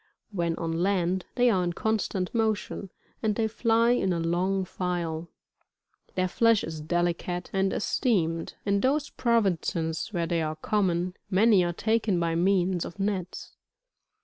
When on land, they are in constant motion, and they fly in a long file. Th^ir flesh is delicate and esteemed : in those provinces where they are common, many are taken by means of nets.